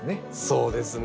そうですね。